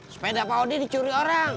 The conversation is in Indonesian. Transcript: sepeda pak odi dicuri orang